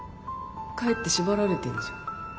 かえって縛られてんじゃん。